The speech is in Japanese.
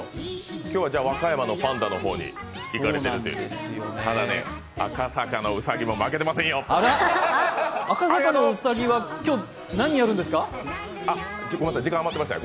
今日は和歌山のパンダの方に行かれているっていうね。